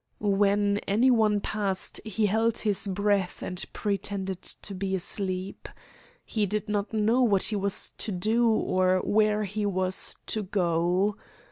When any one passed he held his breath and pretended to be asleep. He did not know what he was to do or where he was to go.